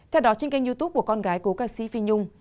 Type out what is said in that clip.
theo đó trên kênh youtube của con gái cố ca sĩ phi nhung